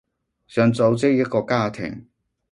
想組織一個家庭